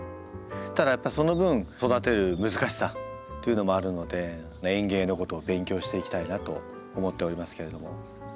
ただやっぱその分育てる難しさというのもあるので園芸のことを勉強していきたいなと思っておりますけれども。